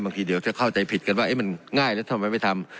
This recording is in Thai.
เดี๋ยวจะเข้าใจผิดกันว่ามันง่ายแล้วทำไมไม่ทำ